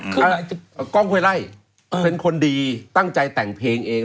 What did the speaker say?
เจริญกล้องไควไล่เต้นคนดีตั้งใจแต่งเพลงเอง